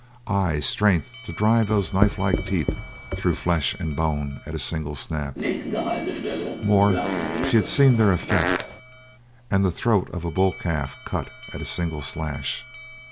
Ay, strength to drive those knife like teeth through flesh and bone at a single snap. More she had seen their effect, and the throat of a bull cut at a single slash.